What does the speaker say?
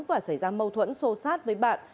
và xảy ra mâu thuẫn sô sát với bà